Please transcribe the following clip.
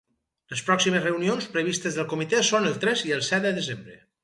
Les pròximes reunions previstes del comitè són el tres i el set de desembre.